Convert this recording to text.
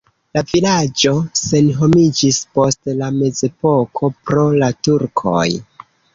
La vilaĝo senhomiĝis post la mezepoko pro la turkoj.